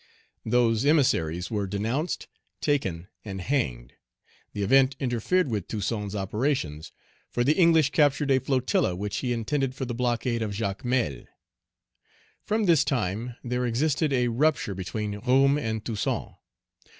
Those emissaries were denounced, taken, and hanged. The event interfered with Toussaint's operations; for the English captured a flotilla which he intended for the blockade of Jacmel. From this time, there existed a rupture between Roume and Toussaint.